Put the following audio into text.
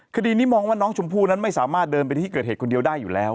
คดีนี้มองว่าน้องชมพู่นั้นไม่สามารถเดินไปที่เกิดเหตุคนเดียวได้อยู่แล้ว